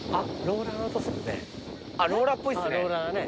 ローラーっぽいですね。